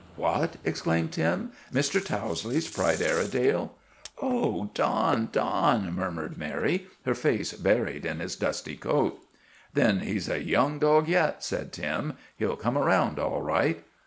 " What !" exclaimed Tim, " Mr. Towsley's prize Airedale ?"" Oh, Don ! Don !' murmured Mary, her face buried in his dusty coat. " Then he 's a young dog yet," said Tim. " He '11 come around all right."